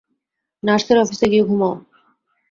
নার্সের অফিসে গিয়ে ঘুমাও।